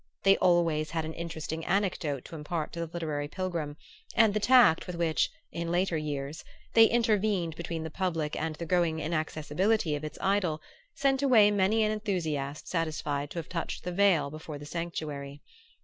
They always had an interesting anecdote to impart to the literary pilgrim, and the tact with which, in later years, they intervened between the public and the growing inaccessibility of its idol, sent away many an enthusiast satisfied to have touched the veil before the sanctuary.